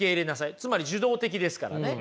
つまり受動的ですからね。